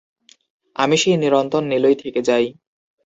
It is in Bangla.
আমি সেই চিরন্তন নীলই থেকে যাই।